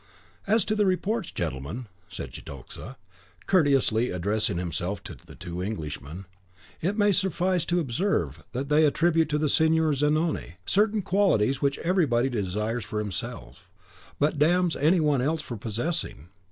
"As to the reports, gentlemen," said Cetoxa, courteously, addressing himself to the two Englishmen, "it may suffice to observe, that they attribute to the Signor Zanoni certain qualities which everybody desires for himself, but damns any one else for possessing.